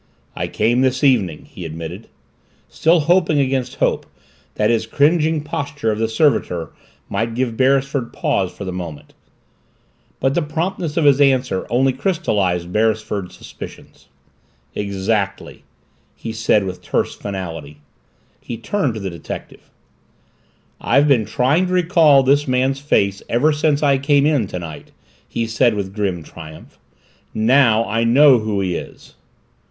"I came this evening," he admitted, still hoping against hope that his cringing posture of the servitor might give Beresford pause for the moment. But the promptness of his answer only crystallized Beresford's suspicions. "Exactly," he said with terse finality. He turned to the detective. "I've been trying to recall this man's face ever since I came in tonight " he said with grim triumph. "Now, I know who he is."